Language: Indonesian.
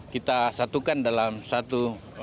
kita satukan dalam satu